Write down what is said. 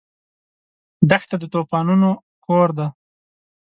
دښته د طوفانونو کور دی.